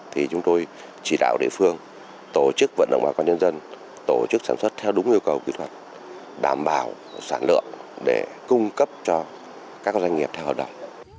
thì chúng tôi chỉ đạo địa phương tổ chức vận động bà con nhân dân tổ chức sản xuất theo đúng yêu cầu kỹ thuật đảm bảo sản lượng để cung cấp cho các doanh nghiệp theo hợp đồng